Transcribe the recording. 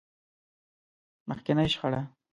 مخکينۍ شخړه.